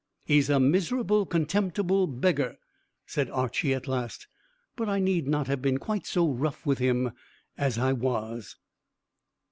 "He's a miserable, contemptible beggar," said Archy at last, "but I need not have been quite so rough with him as I was."